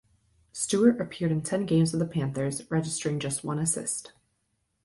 Stewart appeared in ten games with the Panthers, registering just one assist.